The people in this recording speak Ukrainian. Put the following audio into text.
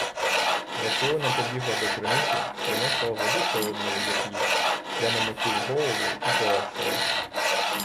Василина побігла до криниці, принесла води холодної, як лід, я намочив голову, і полегшало.